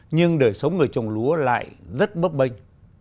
nhưng đời sống người trồng lúa lại rất bấp bênh